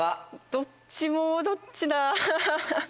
どっちもどっちだハハハ。